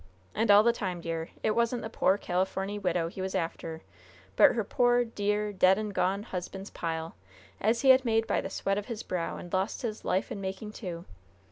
And all the time, dear, it wasn't the poor Californy widow he was after; but her poor, dear, dead and gone husband's pile, as he had made by the sweat of his brow, and lost his life in making, too!